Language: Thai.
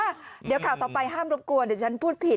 อ่ะเดี๋ยวข่าวต่อไปห้ามรบกวนเดี๋ยวฉันพูดผิด